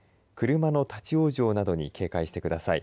車の立往生などに警戒してください。